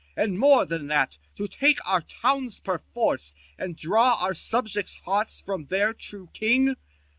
And more than that, to take our towns perforce, And draw OUT subjects 1 hearts from their true king